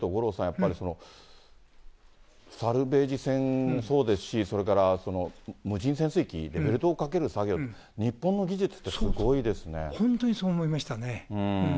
やっぱり、サルベージ船もそうですし、それから無人潜水機でベルトをかける作業、本当にそう思いましたね。